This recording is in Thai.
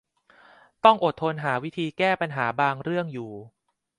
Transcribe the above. ต้องอดทนหาวิธีแก้ปัญหาบางเรื่องอยู่